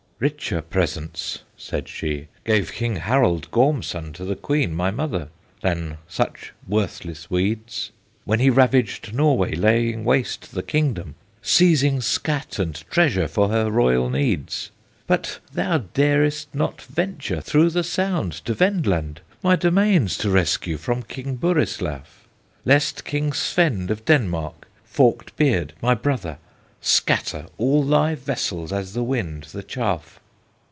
"Richer presents," said she, "Gave King Harald Gormson To the Queen, my mother, Than such worthless weeds; "When he ravaged Norway, Laying waste the kingdom, Seizing scatt and treasure For her royal needs. "But thou darest not venture Through the Sound to Vendland, My domains to rescue From King Burislaf; "Lest King Svend of Denmark, Forked Beard, my brother, Scatter all thy vessels As the wind the chaff."